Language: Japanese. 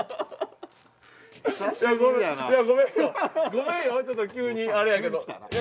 ごめんよちょっと急にあれやけど。